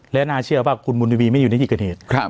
แล้วน่าเชื่อว่าคุณบุญธวีไม่อยู่ในอีกกันเหตุครับ